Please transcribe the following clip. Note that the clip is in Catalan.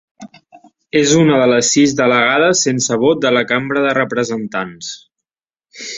És una de les sis delegades sense vot de la Cambra de Representants.